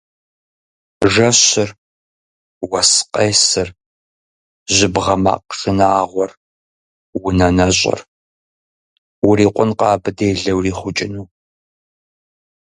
Жэщыр, уэс къесыр, жьыбгъэ макъ шынагъуэр, унэ нэщӏыр – урикъункъэ абы делэ урихъукӏыну!